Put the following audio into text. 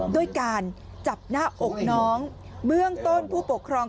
ด้วยการจับหน้าอกน้องเบื้องต้นผู้ปกครอง